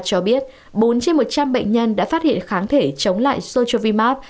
cho biết bốn trên một trăm linh bệnh nhân đã phát hiện kháng thể chống lại sochovimax